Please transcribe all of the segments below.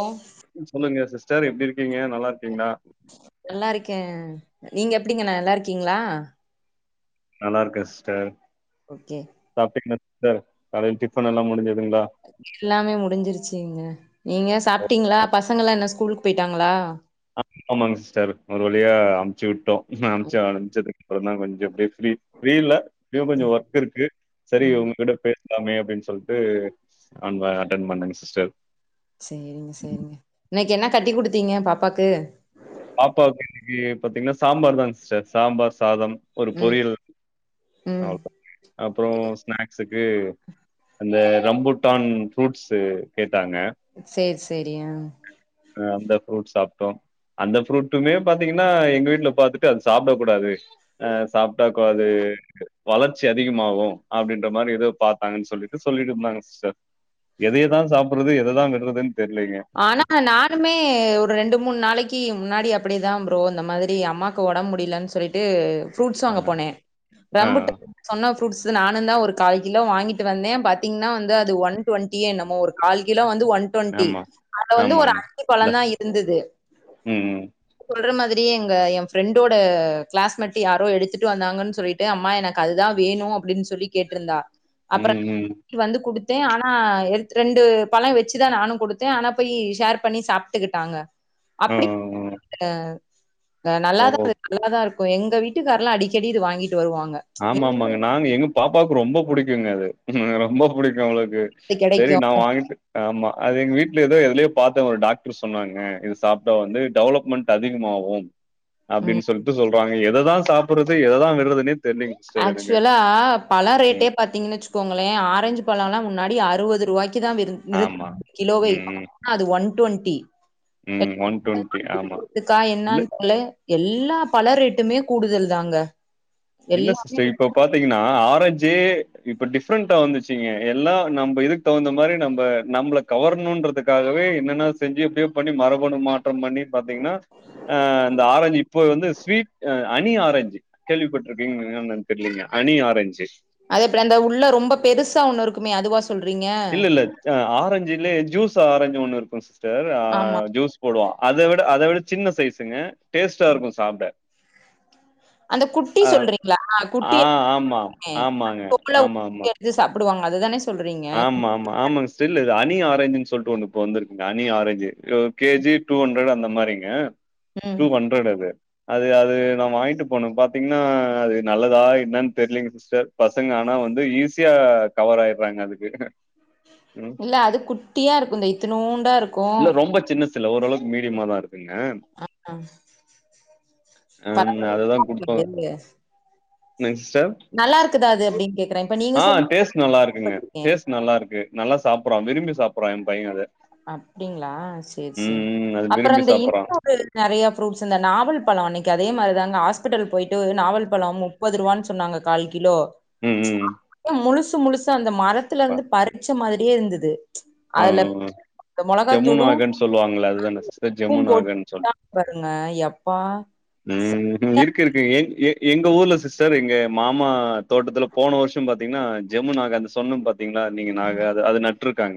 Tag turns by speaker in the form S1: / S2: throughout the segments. S1: ஓ
S2: சொல்லுங்க சிஸ்டர் எப்படி இருக்கீங்க நல்லா இருக்கீங்களா?
S1: நல்லா இருக்கேன். நீங்க எப்படிங்க ந நல்லா இருக்கீங்களா?
S2: நல்லா இருக்கேன் சிஸ்டர்
S1: ஓகே
S2: சாப்பிட்டங்க சிஸ்டர் காலையையில டிஃபன் எல்லாம் முடிஞ்சிதுங்களா
S1: எல்லாமே முடிஞ்சிருச்சுங்க நீங்க
S2: ஓ,
S1: சாப்பிட்டீங்களா? பசங்க என்ன ஸ்கூலுக்கு போயிட்டாங்களா?
S2: ஆ ஆமாங்க சிஸ்டர் ஒரு வழியா அமுச்சு விட்டோம் அமுச்சு அனுச்சதுக்கு அப்புறம் தான் கொஞ்சம் அப்டியே ரீல்ல இன்னும் கொஞ்சம் ஒர்க் இருக்கு சரி
S1: ம்
S2: உங்ககிட்ட பே பேசிடலாம் அப்படின்னு சொல்லிட்டு அ அட்டன் பண்ணேங்க சிஸ்டர்
S1: சரிங்க சரிங்க இன்னைக்கு என்ன கட்டி குடுத்தீங்க பாப்பாக்கு?
S2: பாப்பாவுக்கு இனைக்கு பாத்தீங்கன்னா சாம்பார் தான் சிஸ்டர் சாம்பார் சாதம் ஒரு
S1: ம்
S2: பொரியல்
S1: ம்
S2: அப்புறம் ஸ்நாக்ஸக்கு அந்த ரம்புட்டான் ஃப்ரூட்ஸு கேட்டாங்க
S1: சரி சரி ஆ
S2: ஹ அந்த ஃப்ரூட் சாப்பிட்டோம் அந்த ஃப்ரூட்டுமே பாத்தீங்கன்னா எங்க வீட்டுல பார்த்துட்டு அது சாப்பிட கூடாது அஹ் சாப்ட்டா கூடாது வளர்ச்சி அதிகமாகும் அப்படின்ற மாதிரி ஏதோ பார்த்தாங்கன்னு சொல்லிட்டு சொல்லிட்டு இருந்தாங்க சிஸ்டர் எதையதான் சாப்பிட்டுரது எதான் கட்டுறதுன்னு தெரியலீங்க
S1: ஆனா நா இமே ஒரு ரெண்டு மூணு நாளைக்கு முன்னாடி அப்படி தான் ப்ரோ இந்த மாதிரி அம்மாவுக்கு உடம்பு முடியலன்னு சொல்லிட்டு ப்ரூட்ஸ்
S2: அ
S1: வாங்க போனேன்
S2: ஆ
S1: ரம்புட்ட சொன்ன ஃரூட்ஸ் நானும் தான் ஒரு கால் கிலோ வாங்கிட்டு வந்தேன் பாத்தீங்கன்னா வந்து அது ஒன் டுவெண்டி நம்ம ஒரு கால் கிலோ வந்து ஒன் டுவெண்டி
S2: ஆமா,
S1: வந்து ஒரு
S2: ஆமாங்க.
S1: அழி
S2: இந்தா
S1: பழம் தான் இருந்தது
S2: ம் ம்
S1: சொல்ற மாதிரி எங்க என் ஃப்ரெண்டோட கிளாஸ் மட்டு் யாரோ எடுத்துட்டு வந்தாங்கன்னு சொல்லிட்டு அம்மா எனக்கு அதுதான் வேணும் அப்படின்னு சொல்லி கேட்டிருந்தா அப்புறம்
S2: ம் ம்
S1: வந்து கொடுத்தேன் ஆனா ரெண்டு பழம் வச்சுதான் நானும் கொடுத்தேன் ஆனா போய் ஷேர் பண்ணி சாப்பிட்டுக்கிட்டாங்க
S2: அ
S1: அப்படி
S2: அ ஓ
S1: நல்லாதான் அது நல்லாதான் இருக்கும் எங்க வீட்டுக்காரெல்லாம் அடிக்கடி இது வாங்கிட்டு வருவாங்க
S2: ஆமா
S1: எங்க
S2: ஆமாங்க நாங்க எங்க பாப்பாவுக்கு ரொம்ப புடிக்குங்க அது ரொம்ப புடிக்கும் அவங்களுக்கு
S1: இது
S2: சரி
S1: கிடைக்கும்
S2: நான் வாங்கிட்டு ஆமா அது எங்க வீட்டுல ஏதோ எதுலயோ பார்த்தன் ஒரு டாக்டர் சொன்னாங்க இது சாப்பிட்டா வந்து டெவலப்மெண்ட் அதிகமும்
S1: உம்
S2: அப்படின்னு சொல்லிட்டு சொல்றாங்க எததான் சாப்பிடுறது எததான் விடுறதுன்னே தெரியுங்க
S1: ஆக்சுவலா பல ரேட்டே பத்த பாத்தீங்கன்னு வச்சுக்கோங்களேன் ஆரஞ்சு பழம்ல்லாம் முன்னாடி அறுபது ரூபாய்க்கு தான்
S2: ஆமா
S1: கிலோ
S2: ம்
S1: அது ஒன்
S2: ம் ஒன் டுவெண்ட்டி ஆமா
S1: டுவெண்டிதுக்கா என்னு
S2: இல்ல
S1: சொ எல்லா பல ரேட்டுமே கூடுதல் தாங்க எல்லா
S2: ச இப்ப பாத்தீங்கன்னா ஆரஞ்சு இப்ப டிஃப்ரெண்டா வந்துச்சுங்க எல்லா நம்ம இதுக்கு தகுந்த மாதிரி நம்ம நம்ம கவரணும்ன்றதுக்காகவே என்னென்னா செஞ்சு எப்படியோ பண்ணி மரபணு மாற்றம் பண்ணி பாத்தீங்கன்னா ஆ இந்த ஆரஞ்சு இப்போ வந்து ஸ்வீட் ஹனி ஆரஞ்சு கேள்விப்பட் டிருக்கிங்களா என்னன்னு தெரியலீங்க ஹனி ஆரஞ்சு
S1: அதே போல அந்த உள்ள ரொம்ப பெருசா ஒண்ணு இருக்குமே அதுவா சொல்றீங்க
S2: இல்ல இல்ல ஆரஞ்சுலையே ஜூஸ் ஆரஞ்சு ஒண்ணு இருக்கும் சிஸ்டர்
S1: ஆமா.
S2: ஜூஸ் போடுவா அத விட அத விட சின்ன சைஸுங்க டேஸ்ட்டா இருக்கும் சாப்பிட
S1: அந்த குட்டி சொல்றீங்களா குட்டி
S2: ஆ
S1: யா
S2: ஆமா ஆமாங்க
S1: இருக்குமே
S2: ஆமா ஆமா
S1: [inaudible] இது சாப்டுவாங்க அதுதானே சொல்றீங்க?
S2: ஆமா ஆமா ஆமாங்க சிஸ்டர் இல்ல இது ஹனி ஆரஞ்சுன்னு சொல்லிட்டு ஒண்ணு இப்ப வந்திருக்குங்க ஹணி ஆரஞ்சு ஒரு கேஜி டூ ஹண்ட்ரட் அந்த மாரிங்க
S1: ம்.
S2: டூ ஹண்ட்ரட் அது அது அது நா வாங்கிட்டு போன பாத்தீங்கன்னா அது நல்லதா என்னன்னு தெரியலீங்க சிஸ்டர் பசங்க ஆனா வந்து ஈஸியா கவர் ஆய்றாங்க அதுக்கு ம்
S1: இல்ல அது குட்டியா இருக்கும் இந்த இத்தநூண்டா இருக்கும்
S2: இல்ல ரொம்ப சின்னசு இல்ல ஓரளவுக்கு மீடியமா தான் இருக்குங்க
S1: ஆ
S2: ஆமா அதுதான் குடுப்பாங்க
S1: பரவால்ல.
S2: என்னங்க சிஸ்டர்
S1: நல்லா இருக்குதா அது அப்டின் கேக்குறேன்க
S2: ஆ டேஸ்ட் நல்லா இருக்குங்க டேஸ்ட் நல்லா இருக்கு நல்லா சாப்ட்றான் விரும்பி சாப்ட்டுறான் என் பையன் அத
S1: அப்டிங்களா சேரி
S2: ம்,
S1: சேரி
S2: ம். அது
S1: அப்புறம்
S2: விரும்பி
S1: அந்த
S2: சாப்புட்றான்.
S1: இன்னொரு நிறையா ஃப்ரூட்ஸ் இந்த நாவல் பழம் அன்னைக்கு அதே மாதிரிதாங்க ஹாஸ்பிடல் போயிட்டு நாவல் பழம் முப் முப்பது ரூவான்னு சொன்னாங்க கால் கிலோ
S2: ம் ம்
S1: முழுசு முழுசு அந்த மரத்துல இருந்து பறிச்ச மாதிரியே இருந்தது
S2: ஆ
S1: அதுல இந்த
S2: ஜமுன்
S1: மொளகாத்தூளு
S2: ஆகன்னு சொல்லுவாங்கள அதுதான சிஸ்டர்
S1: உப்பும்
S2: ஜமுன்
S1: போட்டு
S2: ஆகன்னு சொல்ல
S1: வித்தாங்க பாருங்க எப்பா
S2: உம் ம் இருக்கு இருக்கு எங்க ஊர்ல சிஸ்டர் எங்க மாமா தோட்டத்துல போன வருஷம் பாத்தீங்கன்னா ஜம்மு நாக அந்த சொன்னே பாத்தீங்கன்னா நீங்க நாக அது நட்டுருக்காங்க ஆ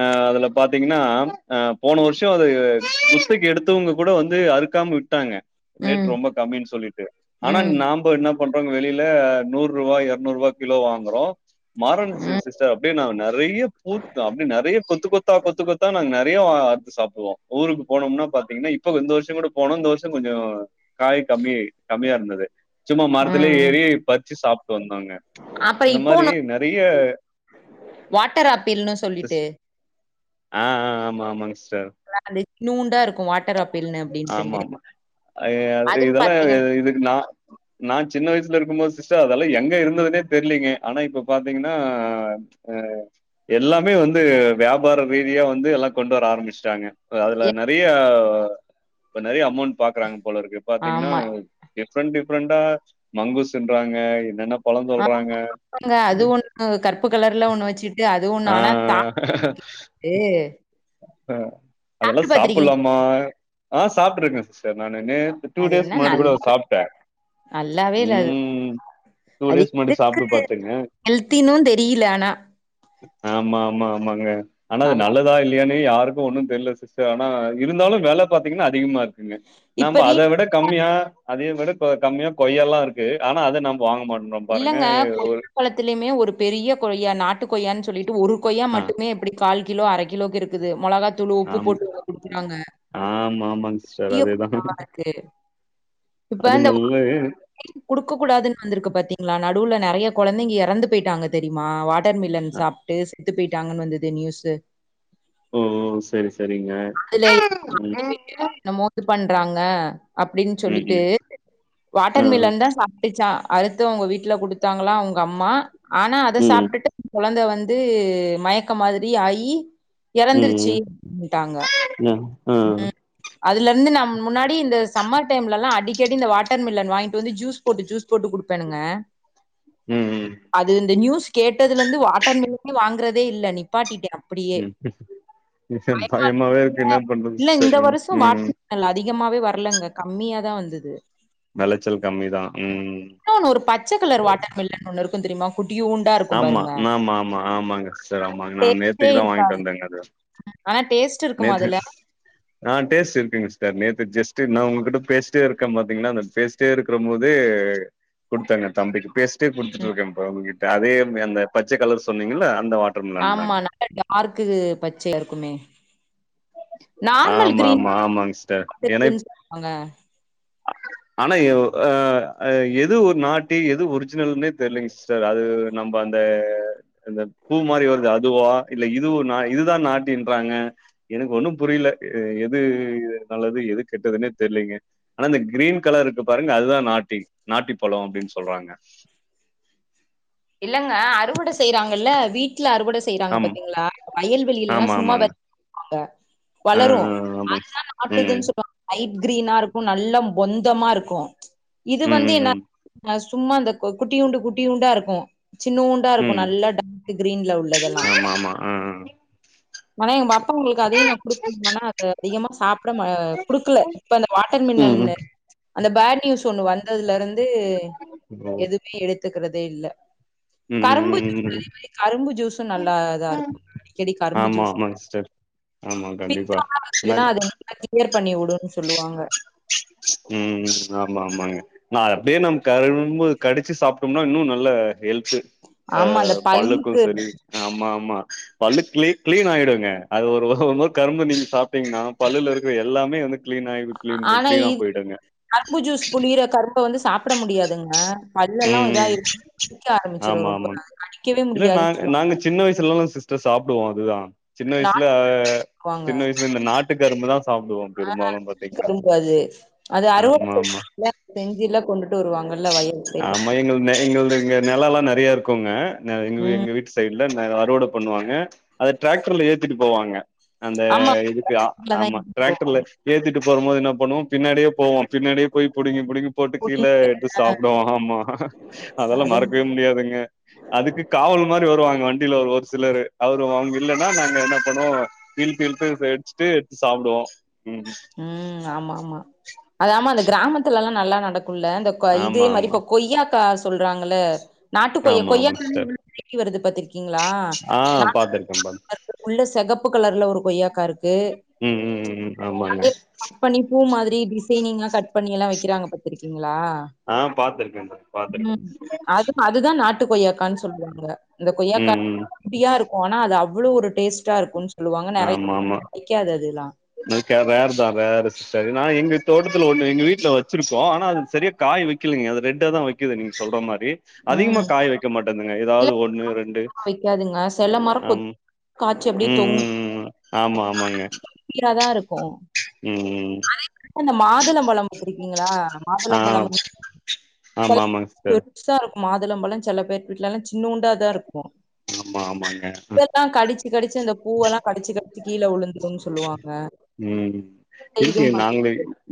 S2: ஆஹ் அதுல பாத்தீங்கன்னா அ போன வருஷம் அது புஸ்தக எடுத்தவங்க கூட வந்து அறுக்காம விட்டாங்க ரேட்
S1: ம்
S2: ரொம்ப கம்மின்னு சொல்லிட்டு ஆனா
S1: ம்
S2: நாம என்ன பண்றோம் வெளியில நூறு ரூபா இரநூறு ரூபா கிலோ வாங்குறோ மாரண ச
S1: ம்
S2: சிஸ்டர் அப்படியே நா நிறைய த்து அப்படி நிறைய கொத்து கொத்தா கொத்து கொத்தா நாங்க நிறைய அறுத்து சாப்பிடுவோ ஊருக்கு போனோம்னா பாத்தீங்கன்னா இப்போ இந்த வருஷோ கூட போனோ இந்த வருஷோ கொஞ்சோ காய் கம்மி கம்மியா இருந்தது சும்மா மரத்துலயே ஏறி பறிச்சு சாப்ட்டு வந்தாங்க
S1: அப்ப
S2: அந்த
S1: இப்போ
S2: மாதிரி நிறைய
S1: [inaudible] வாட்டர் ஆப்பிள்னு
S2: ச
S1: சொல்லிட்டு
S2: ஆ ஆ ஆமா ஆமாங்க சிஸ்டர்
S1: அ இத்நூண்டா இருக்கும் வா
S2: ஆமா ஆமா
S1: அதுவும்
S2: இதெல்லா
S1: பாத்தீங்கன்னா
S2: இதுக்கு நா நா சின்ன வயசுல இருக்கும் போது சிஸ்டர் அதெல்லா எங்க இருந்ததுனே தெரியலீங்க ஆனா இப்ப பாத்தீங்கன்னா அ எல்லாமே வந்து வியாபார ரீதியா வந்து எல்லா கொண்டு வர ஆரம்பிச்சிட்டாங்க இப்ப அதுல
S1: எ
S2: நிறைய இப்ப நிறைய அமௌண்ட் பாக்குறாங்க போல இருக்கு பாத்தீங்கன்னா
S1: ஆமா
S2: டிஃப்ரெண்ட் டிஃப்ரெண்டா மங்குஸ்ன்றாங்க என்னென்ன பழம் சொல்றாங்க
S1: ங்க அது ஒண்ணு கருப்பு கலர்ல ஒண்ணு வச்சுட்டு அதுவும் ஒண்ணு
S2: ஆ
S1: ஆனா தா
S2: அதெல்லாம் சாப்பிடலாமா ஆ சாப்பிட்டு இருக்கேன் சிஸ்டர் நான் டூ
S1: அது என்ன
S2: டேஸ்க்கு முன்னாடி கூட
S1: நல்லாவே
S2: சாப்ட்டேன்
S1: நல்லாவே இல்ல அது
S2: ம்.
S1: அது
S2: டேஸ் முன்னாடி
S1: எதுக்கு
S2: சாப்ட்டு பாத்தேங்க.
S1: ஹெல்தினும் தெரில ஆனா
S2: ஆமா ஆமா ஆமாங்க ஆனா அது
S1: நல்லா
S2: நல்லதா இல்லையானு யாருக்கும் ஒன்னும் தெரியல சிஸர் ஆனா இருந்தாலும் வேலை பார்த்தீங்கன்னா அதிகமா இருக்குங்க
S1: இப்ப
S2: நாம
S1: ரீ
S2: அதை விட கம்மியா அத விட கம்மியா கொய்ய எல்லாம் இருக்கு ஆனா அத நம்ம வாங்க மாட்டென்றோ
S1: இல்லங்க கொய்யா பலத்திலயுமே ஒரு பெரிய கொய்யா நாட்டு கொய்யான்னு சொல்லிட்டு ஒரு கொய்யா
S2: ஆ
S1: மட்டுமே எப்படி கால் கிலோ அரை கிலோக்கு இருக்குது மிளகாத் உப்பு
S2: ஆமா,
S1: போட்டு குடிக்கறாங்க
S2: ஆமா, ஆமாங்க சிஸ்டர். அதேதான்.
S1: இப்ப
S2: அது
S1: இந்த
S2: நல்ல
S1: குடுக்க கூடாதுன்னு வந்திருக்கு பாத்தீங்களா நடுவுல நிறைய குழந்தைங்க இறந்து போயிட்டாங்க தெரியுமா ட்டர் மில்ன்
S2: அ
S1: சாப்பிட்டு செத்து போயிட்டாங்கன்னு வந்துது நியூஸ்
S2: ஓ சரி சரிங்க
S1: அதுல என்னமோ இது பண்றாங்க அப்படின்னு
S2: ம்,
S1: சொல்லிட்டு
S2: ம். ஆ,
S1: வாட்டர் மில்லன் தான் சாப் அ அவங்க வீட்டுல குடுத்தாங்கள உங்க அம்மா ஆனா அதை
S2: ம்,
S1: சாப்பிட்டு குழந்தை வந்து வந்து மயக்கம் மாதிரி ஆயி
S2: ம், ம்.
S1: இறந்துருச்சுன்ட்டாங்க
S2: ஆ, ஆ.
S1: ம் அதுல இருந்து நம் முன்னாடி இந்த சம்மர் டைம்லலாம் அடி அடிக்கடி இந்த வாட்டர் மில்லன் வாங்கிட்டு வந்து ஜூஸ் போட்டு ஜூஸ் போட்டு குடுப்பனுங்க
S2: ம் ம்
S1: அது இந்த நியூஸ் கேட்டதுல இருந்து வாட்டர் மில்லனே வாங்குறதே இல்ல நிப்பாட்டிட்டே அப்படியே
S2: ம்.
S1: பயமா
S2: பயமாவே இருக்கு. என்ன பண்றது
S1: இல்ல இந்த
S2: சிஸ்டர்?
S1: வருஷம் மா
S2: ம்.
S1: நல்ல அதிகமாவே வரலங்க கம்மியா தான் வந்தது
S2: விளைச்சல் கம்மிதான். ம்.
S1: ன்ன ஒன்னு ஒரு பச்சை கலர் வாட்டர் மில்லன் ஒண்ணு இருக்கும் தெரியுமா குட்டிய ஒன்னு
S2: ஆமா ஆமா ஆமா ஆமாங்க சரி ஆமாங்க நான்
S1: டேஸ்டே
S2: நேரத்துக்கு தான் வாங்கிட்டு
S1: இருக்காது
S2: வந்தேங்க அது
S1: ஆனா டேஸ்ட் இருக்குமா
S2: நேத்து
S1: அதுல
S2: ஆ டேஸ்ட் இருங்க சார் நேத்து ஜஸ்ட் நான் உங்ககிட்ட பேஸ்ட்ட இருக்கன் பாத்தீங்கன்னா அந்த பேஸ்ட் இருக்கும் போது கொடுத்தாங்க தம்பிக்கு பேச குடுத்துட்டு
S1: ம்
S2: இருக்கேன் உங்ககிட்ட அதே அந்த பச்சை கலர் சொன்னீங்கல அந்த வா
S1: ஆமா நல்ல டார்க்கு பச்சையா இருக்குமே நார்மல்
S2: ஆமா ஆமா ஆமாங்க சிஸ்டர் ஏன்னா இப்
S1: கிரீன்னு சொல்லுவாங்க
S2: ஆனா எது ஒரு நாட்டு எது ஒரிஜினல்ன்னே தெரியலங்க சிஸ்டர் அது நம்ம அந்த இந்த பூ மாதிரி வருது அதுவா இல்ல இது நான் இதுதான் நாட்டின்றாங்க எனக்கு ஒண்ணும் புரியல எது நல்லது எது கெட்டதுன்னே தெரியலங்க ஆனா இந்த கிரீன் கலர் இருக்கு பாருங்க அதுதான் நாட்டி நாட்டி பழம் அப்படின்னு சொல்றாங்க
S1: இல்லங்க அறுவடை செய்யறாங்கல்ல வீட்டுல அறுவடை செய்யறாங்க
S2: ஆம்
S1: பாத்தீங்களா வயல்வளியில
S2: ஆமா
S1: எல்லாம் சும்மா
S2: ஆமாங்க
S1: வாங்க
S2: ஆ
S1: வளரும்
S2: ஆ ஆமாங்க
S1: அதுதான் நாட்டுதுன்னு சொல்லுவாங்க லைட் கிரீனா இருக்கும் நல்லா பொந்தமா இருக்கும் இது
S2: ம்
S1: வந்து
S2: ம் ம்
S1: என்ன சும்மா அந்த குட்டி உண்டு குட்டி உண்டா இருக்கும் சின்ன ஒன்று
S2: ம்
S1: இருக்கும்
S2: ம்
S1: நல்லா டார்க் கிரீன்ல உள்ளதெல்லாம்
S2: ஆமா ஆமா ஆ ஆ.
S1: ஆனா எங்க அப்பா உங்களுக்கு அதையும் நான் குடுக்க ஆனா அது அதிகமா சாப்பிட கொடுக்கல இப்ப அந்த வாட்டர்
S2: ம்
S1: மிலன்
S2: ம்
S1: அந்த பேட் நியூஸ் ஒண்ணு வந்ததுல இருந்து
S2: ஓ
S1: எதுவுமே எடுத்துக்கிறதே இல்லை
S2: ம்
S1: கரும்பு
S2: ம்
S1: ஜூஸ்
S2: ம்
S1: அதே மாதிரி கரும்பு ஜூஸும் நல்லா
S2: ம்
S1: இருக்கும் அடிக்கடி கரும்பு
S2: ஆமா
S1: ஜூஸ்
S2: ஆமாங்க சிஸ்டர் ஆமா, கண்டிப்பா
S1: பித்தம்லாம்
S2: ஆனா
S1: கிளியர் பண்ணி விடும்ன்னு சொல்லுவாங்க
S2: உம் ஆமா ஆமாங்க நான் அப்படியே நம்ம கரும்ப கடிச்சு சாப்பிட்டோம்னா இன்னும் நல்ல ஹெல்து அ
S1: ஆமா அந்த
S2: பல்லுக்கும்
S1: பல்லுக்கு
S2: சரி ஆமா ஆமா பல்லு கிளீன் ஆகிடுங்க அது ஒரு கரும்பு நீங்க சாப்பிட்டீங்க பல்லுல இருக்க எல்லாமே வந்து கிளீன் ஆகும்
S1: ஆனா இது கரும்பு ஜூஸ் புளிற கரும்ப வந்து சாப்பிட முடியாதுங்க பல்லு
S2: ம்
S1: எல்லாம் இதா
S2: ம்
S1: இருடிக்க ஆரம்பிச்சிட
S2: ஆமா
S1: ரொம்ப
S2: ஆமாங்க
S1: கடிக்கவே
S2: இல்ல
S1: முடியாதுன்னு
S2: நாங்க
S1: சொல்ல
S2: நாங்க சின்ன வயசுலலாம் சிஸ்டர் சாப்பிடுவோம் அதுதான் சின்ன
S1: அது
S2: வயசுல
S1: நாட்டுவாங்க.
S2: சின்ன வயசு இந்த நாட்டு கரும்புதான் சாப்பிடுவோம் பெரும்பாலும் பாத்தீங்கனா
S1: கரும்பு
S2: ஆமா ஆமா
S1: செஞ்சுலாம் கொண்டுட்டு வருவாங்கல்ல வயல் செய்ய
S2: யங்கள் எ நிலம் எல்லாம் நிறைய இருக்கும்ங்க எ
S1: ம்
S2: எங்க வீட்டு சைடல அறுவடை பண்ணுவாங்க அதை டிராக்டர்ல ஏத்திட்டு போவாங்க அந்த
S1: ஆமா
S2: இதுக்கு ஆமா டிராக்டர்ல ஏத்திட்டு போற போது என்ன பண்ணுவோம் பின்னாடியே போவோம் பின்னாடியே போய் பிடிங்க பிடிங்கி போட்டு கீழ சாப்டும் ஆமா அதெல்லாம்
S1: அது
S2: மறக்கவே முடியாதுங்க அதுக்கு காவல் மாதிரி வருவாங்க வண்டி ஒரு ஒரு சிலர் அவரும் அவங்க இல்லன்னா நாங்க என்ன பண்ணுவோம் இழ்த்தழு சடிச்சுட்டு எடுத்து சாப்பிடுவோம்
S1: ம் ஆமா ஆமா அத ஆமா அந்த கிராமத்துல எல்லாம் நல்லா நடக்கும்ல இந்த இதே
S2: ஆமா
S1: மாதிரி
S2: ஆமா
S1: இப்ப கொய்யாக்கா சொல்றாங்கள நாட்டு
S2: ஆமா ஆமா
S1: கொய்யாக்கா
S2: சிஸ்டர்
S1: வருது பத்திர இருங்களா
S2: ஆ பாத்துருக்கே பாத்
S1: இரு உள்ள சகப்பு கலர்ல ஒரு கொய்யாக்கா இருக்கு
S2: ம் ம் ம் ம் ஆமாண்ண
S1: கட் பண்ணி பூ மாதிரி டிசைனிங்கா கட் பண்ணி எல்லாம் வைக்கிறாங்க பாத்திருக்கீங்களா
S2: ஆ பாத்திருக்கேன் பாத்திருக்கேன்
S1: ம் அது அதுதான் நாட்டு கொய்யாக்கான்னு சொல்லுவாங்க இந்தந்த கொய்யா
S2: ம் ம்
S1: காியா இருக்கும் னா அது அவ்வளவு ஒரு டேஸ்ட்டா இருக்கும்னு சொல்லுவாங்க நிறைய கிடைக்காதுெல்லாம்
S2: ரேரு தான் ரேரு சரி நான் எங்க தோட்டத்துல ஒண்ணு எங்க வீட்டுல வச்சன் வச்சிருக்கோ ஆனா அது சரியா காய் வைக்கலைங்க அது ரெட்டா தான் வைக்குது நீங்க சொல்ற மாதிரி அதிகமா
S1: ம்.
S2: காய் வைக்க மாட்டேந்தங்க ஏதாவது
S1: இல்லக்கா
S2: ஒண்ணு ரெண்டு ஆம்
S1: காட்சி அப்டியே
S2: ம்
S1: தொங்கும்
S2: ம் ஆமா ஆமாங்க ம்
S1: இந்த மாதுளம் பழம் வ இருக்கீங்களா
S2: ஆ
S1: மாதுளம்பழம்
S2: ஆமா ஆமாங்க சிஸ்டர்
S1: புசா இருக்கும் மாதுளம்பழம் சில பேர் வீட்டுல எல்லாம் சின்ன உண்டா தான் இருக்கும்
S2: ஆமா ஆமாங்க ஆ
S1: ெல்லாம் கடிச்சு கடிச்சு இந்த பூவெல்லாம் கடிச்சு கடிச்சு கீழே விழுந்துடும்ன்னு சொல்லுவாங்க
S2: ம் இருக்கே
S1: இதுவும் பாத்து
S2: நாங்கள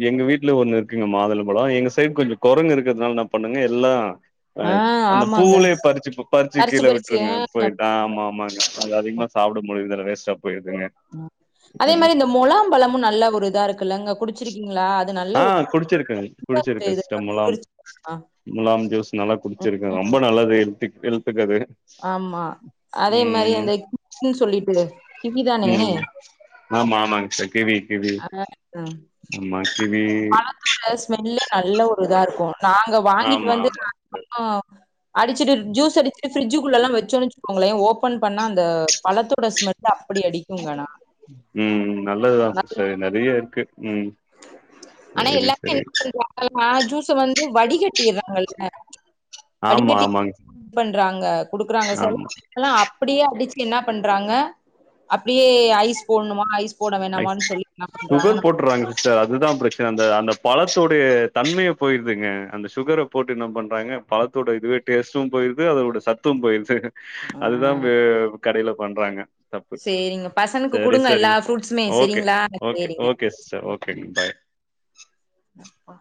S2: எங்க வீட்டுல ஒண்ணு இருக்குங்க மாதல் பழம் எங்க சைடு கொஞ்சம் குரங்கு இருக்கிறதுனால என்ன பண்ணுங்க எல்லாம்
S1: ஆ
S2: அஹ் அந்த
S1: ஆமாங்க.
S2: பூலே பறிச்சு பறிச்சு கீழே விட்டுருங்க ஆ ஆமா ஆமாங்க அ அதிகமா சாப்பிட முடியும்துல வேஸ்ட்டா போயிடுதுங்க
S1: அதே மாதிரி இந்த முழாம்பழமும் நல்ல ஒரு இதா இருக்குல்லங்க குடிச்ச
S2: ஆஹ் குடிச்சிருக்கேன்
S1: உடம்புல இதுங்க
S2: குடிச்சிருக்கேன் மூலாம்
S1: குளிர்ச்சி ஆ
S2: முலாம் ஜூஸ் நல்லா குடிச்சிருக்கேன் ரொம்ப
S1: ம்.
S2: நல்லது ஹெல்த்து ஹெல்த்துக்கு அது
S1: ஆமா அதே மாதிரி
S2: ம்
S1: அந்த கினு சொல்லிட்டு கிவிதானே
S2: ம் ஆமா ஆமாங்க சார் கிவி கிவி ஆமா கிவி
S1: பாத்ரூம்ல ஸ்மெல்லே ஒரு நல்ல இதாருக்கும் நாங்க வாங்கிட்டு
S2: ஆமா
S1: வந்து
S2: ஆமா சிஸ்டர்
S1: அப்போ அடிச்சிட்டு ஜூஸ் அடிச்சி ஃப்ரிட்ஜ் குல்லல்லாம் வச்சோன்னச்சுக்கோங்களேன் ஓபன் பண்ணா அந்த பழத்தோட ஸ்மெல் அப்படி அடித்
S2: உம் நல்லதுதா சிஸ்டர் நிறைய இருக்கு உம்
S1: ஆனா
S2: சேரி
S1: எல்லாருமே
S2: சேரி
S1: என்ன பண்றாங்கன்னா ஜூஸ வந்து வடிகட்டிறாங்கள்ல
S2: ஆமா ஆமாங்க
S1: ட்றாங்க குடுக்குறாங்க சில
S2: ஆமா
S1: ல்லா அப்டியே அடிச்சு என்ன பண்றாங்க அப்டியே ஐஸ் போடணுமா ஐஸ் போட வேணாமனு சொல்லி என்ன பண்றாங்க நம்ம
S2: சார் அதுதா பிரச்சனை அந்த அந்த பழத்தோடைய தன்மையே போயிருதுங்க அந்த சுகர போட்டு என்ன பண்றாங்க பழத்தோட இதுவே டேஸ்ட்டும் போயிருது அதோட சத்தும் போயிருது
S1: ஆ
S2: அதுதா கடையில பண்றாங்க தப்பு
S1: சேரிங்க பசனுக்கு
S2: சேரி
S1: குடுங்க
S2: சேரி
S1: எல்லா ஃப்ரூட்ஸுமே
S2: ஓகே
S1: செரிங்களா
S2: ஓகே
S1: சேரிங்க
S2: ஓகே சிஸ்டர்
S1: ம்
S2: ஓகே பாய்
S1: ம்.